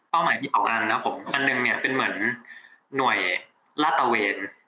หมายที่สองอันนะครับผมอันหนึ่งเนี่ยเป็นเหมือนหน่วยลาดตะเวน